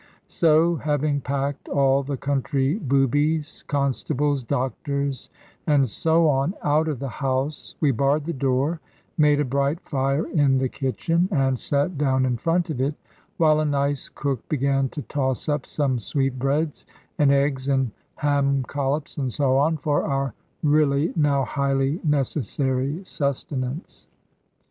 So having packed all the country boobies, constables, doctors, and so on, out of the house, we barred the door, made a bright fire in the kitchen, and sat down in front of it, while a nice cook began to toss up some sweetbreads, and eggs and ham collops, and so on, for our really now highly necessary sustenance.